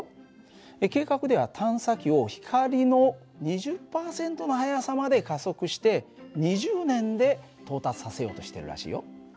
計画では探査機を光の２０％の速さまで加速して２０年で到達させようとしてるらしいよ。